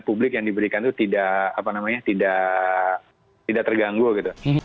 publik yang diberikan itu tidak apa namanya tidak terganggu gitu